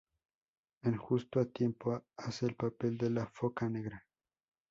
En "Justo a tiempo", hace el papel de la Foca Negra.